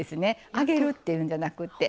揚げるっていうんじゃなくて。